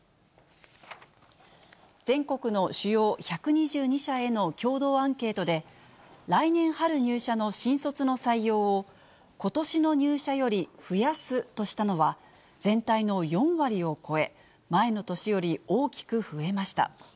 全国の主要１２２社への共同アンケートで、来年春入社の新卒の採用を、ことしの入社より増やすとしたのは、全体の４割を超え、前の年より大きく増えました。